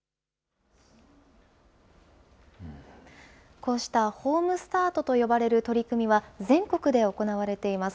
こうしたホームスタートと呼ばれる取り組みは、全国で行われています。